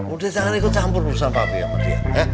udah jangan ikut campur perusahaan papi ya